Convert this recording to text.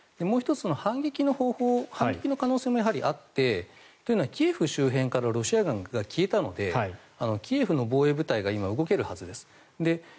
もう１つの反撃の可能性もやはりあってというのはキーウ周辺からロシア軍が消えたのでキーウの防衛部隊が今、動けるはずです。